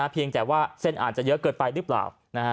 เพียงแต่ว่าเส้นอาจจะเยอะเกินไปหรือเปล่า